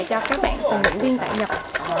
cho các bạn thành viên viên tại nhật